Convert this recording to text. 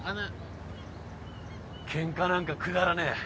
ケンカなんかくだらねえ。